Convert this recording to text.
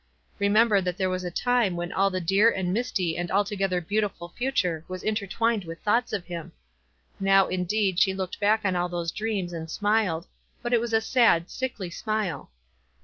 Remember that there was a time when all the dear and misty and altogether beautiful future was intertwined with thoughts of him. Now in deed she looked back on all those dreams and smiled, but it was a sad, sickly smile.